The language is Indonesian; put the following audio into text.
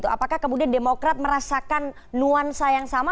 apakah kemudian demokrat merasakan nuansa yang sama